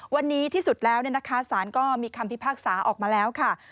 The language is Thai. วันนี้ที่สุดแล้วสารก็มีคำพิพากษาออกมาแล้วค่ะ